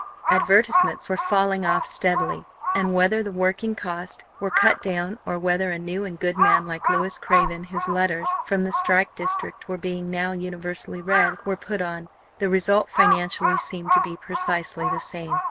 Advertisements were falling off steadily; and whether the working cost were cut down, or whether a new and good man like Louis Craven, whose letters from the strike district were being now universally read, were put on, the result financially seemed to be precisely the same.